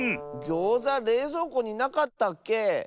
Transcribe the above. ギョーザれいぞうこになかったっけ？